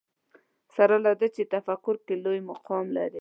سره له دې تفکر کې لوی مقام لري